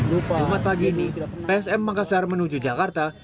lupa jumat pagi ini psm makassar menuju jakarta